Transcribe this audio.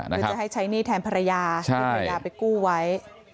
คือจะให้ใช้หนี้แทนภรรยาที่ภรรยาไปกู้ไว้